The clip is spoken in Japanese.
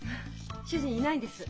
主人いないんです。